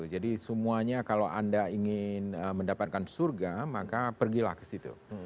jadi semuanya kalau anda ingin mendapatkan surga maka pergilah kesitu